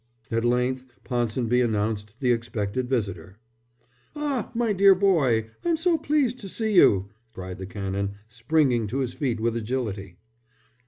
At length Ponsonby announced the expected visitor. "Ah, my dear boy, I'm so pleased to see you," cried the Canon, springing to his feet with agility.